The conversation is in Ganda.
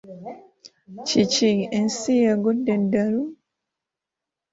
Kiki, ensi y’egudde eddalu?